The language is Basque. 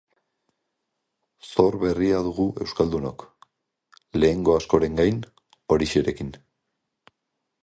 Zor berria dugu euskaldunok, lehengo askoren gain, Orixerekin.